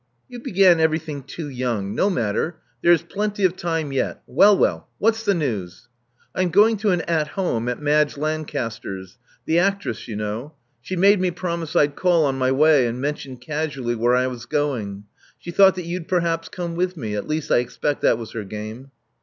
You began everything too yonng. No matter. There is plenty of time yet. Well, well. What's the news?" rm going to an at home at Madge Lancaster's — the actress, you know. She made me promise I'd call on my way and mention casually where I was going. She thought that you'd perhaps come with me — at least I expect that was her game."